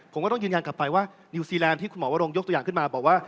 ผมก็ต้องยืนยันกลับไปว่านิวซีแลนด์ที่คุณหมอวรงยกตัวอย่างขึ้นมาบอกว่า